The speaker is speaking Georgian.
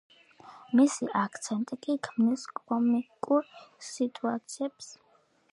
მისი აქცენტი კი ქმნის კომიკურ სიტუაციებს.